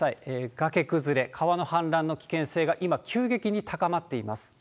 崖崩れ、川の氾濫の危険性が今、急激に高まっています。